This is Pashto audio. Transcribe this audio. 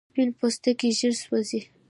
سپین پوستکی ژر سوځي